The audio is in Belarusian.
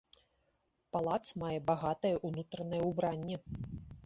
Палац мае багатае ўнутранае ўбранне.